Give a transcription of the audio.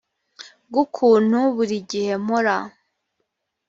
g ukuntu buri gihe mpora